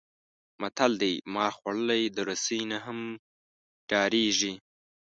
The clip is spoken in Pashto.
متل دی: مار خوړلی د رسۍ نه هم ډارېږي.